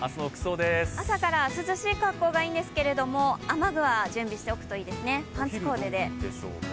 朝から涼しい格好がいいんですけども、雨具は準備しておくといいですね、パンツコーデで。